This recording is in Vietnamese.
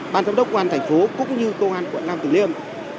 ban thống đốc quân thành phố cũng như công an quận nam thừa liêm